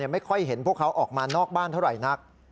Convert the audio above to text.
ไม่ค่อยเห็นพวกเขาออกมานอกบ้านเท่าไหร่นัก